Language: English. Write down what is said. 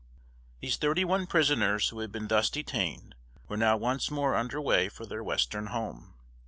These thirty one prisoners who had been thus detained, were now once more under way for their western home.